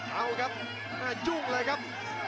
เอ้าครับจุ้งเลยครับ